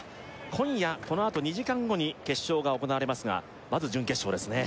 今夜このあと２時間後に決勝が行われますがまず準決勝ですね